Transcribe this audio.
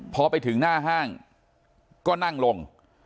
พอไปถึงหน้าห้างก็นั่งลง